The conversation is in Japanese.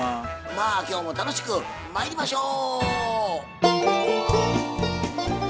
まあ今日も楽しくまいりましょう！